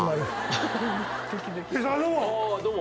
どうも。